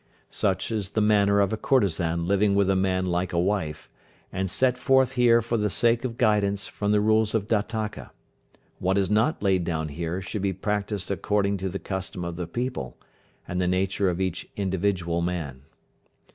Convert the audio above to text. Such is the manner of a courtesan living with a man like a wife, and set forth here for the sake of guidance from the rules of Dattaka. What is not laid down here should be practised according to the custom of the people, and the nature of each individual man.